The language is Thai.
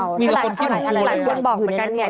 อาหารคนบอกเหมือนกันไง